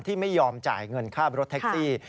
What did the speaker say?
ที่ไม่ยอมจ่ายเงินค่ารถแท็กซี่